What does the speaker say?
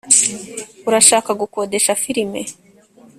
urashaka gukodesha firime?